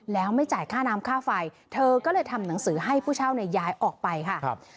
แล้วไม่จ่ายค่าน้ำค่าไฟเธอก็เลยทำหนังสือให้ผู้เช่าเนี่ยย้ายออกไปค่ะครับ